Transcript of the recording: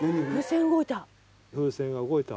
風船動いた。